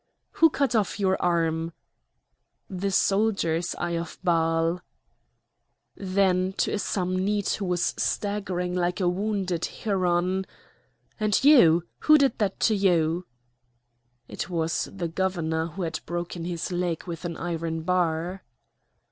"Who cut off your arm?" "The soldiers, Eye of Baal." Then to a Samnite who was staggering like a wounded heron: "And you, who did that to you?" It was the governor, who had broken his leg with an iron bar.